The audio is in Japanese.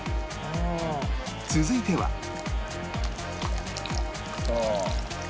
続いてはさあ。